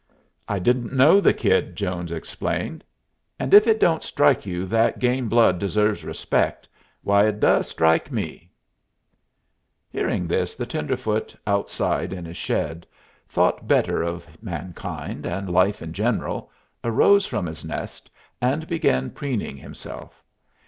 "I didn't know the kid," Jones explained. "And if it don't strike you that game blood deserves respect, why it does strike me." [Illustration: CUMNOR'S AWAKENING] Hearing this, the tenderfoot, outside in his shed, thought better of mankind and life in general, arose from his nest, and began preening himself.